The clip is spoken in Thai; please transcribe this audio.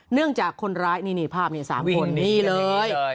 จากคนร้ายนี่ภาพนี้๓คนนี่เลย